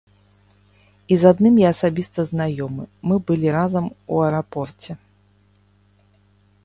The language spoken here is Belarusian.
І з адным я асабіста знаёмы, мы былі разам у аэрапорце.